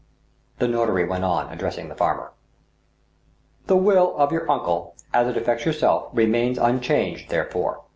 The notary went on, addressing the farmer :" The will of your uncle, as it affects yourself, remains unchanged, therefore."